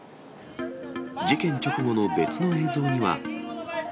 事件直後の別の映像には。